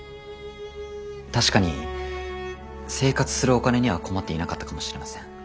確かに生活するお金には困っていなかったかもしれません。